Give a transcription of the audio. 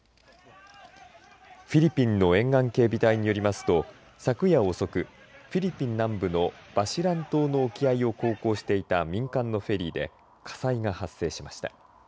フィリピンの沿岸警備隊によりますと昨夜、遅くフィリピン南部のバシラン島の沖合を航行していた民間のフェリーで火災が発生しました。